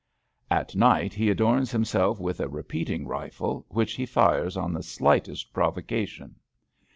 At night he adorns himself with a repeating rifle, which he fires on the slightest provocation.